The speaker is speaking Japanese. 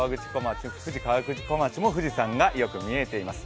富士河口湖町も富士山がよく見えています。